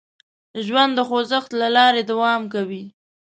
ژوند د خوځښت له لارې دوام کوي.